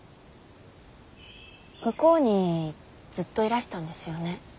向こうにずっといらしたんですよね。